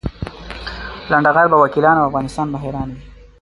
لنډه غر به وکیلان او افغانستان به حیران وي.